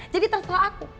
jadi terserah aku